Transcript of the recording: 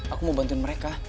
aku mau bantuin mereka